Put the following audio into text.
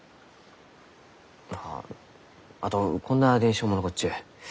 まああとこんな伝承も残っちゅう。